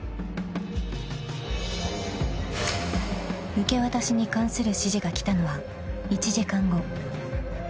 ［受け渡しに関する指示が来たのは１時間後］